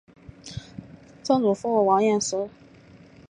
曾祖父王彦实。